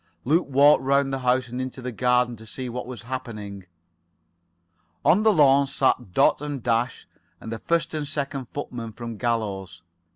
Luke walked round the house and into the garden to see what was happening. On the lawn sat Dot, Dash, and the first and second footmen from Gallows.